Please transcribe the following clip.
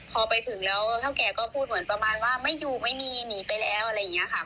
พอไปถึงแล้วเท่าแก่ก็พูดเหมือนประมาณว่าไม่อยู่ไม่มีหนีไปแล้วอะไรอย่างนี้ค่ะ